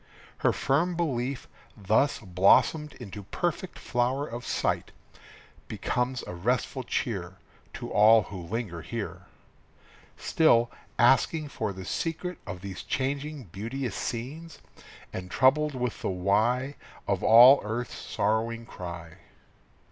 Her firm belief, thus blossomed into perfect flower of sight, Becomes a restful cheer To all who linger here, Still asking for the secret of these changing, beauteous scenes, And troubled with the why Of all earth's sorrowing cry.